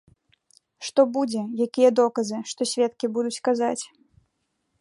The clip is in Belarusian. Што будзе, якія доказы, што сведкі будуць казаць.